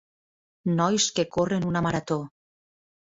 Nois que corren una marató.